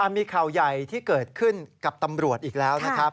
มีข่าวใหญ่ที่เกิดขึ้นกับตำรวจอีกแล้วนะครับ